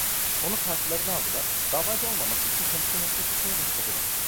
Onu karşılarına aldılar; davacı olmaması için kendisine nasihat etmeye başladılar.